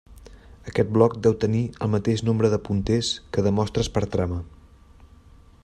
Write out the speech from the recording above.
Aquest bloc deu tenir el mateix nombre de punters que de mostres per trama.